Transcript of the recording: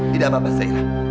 tidak apa apa zahira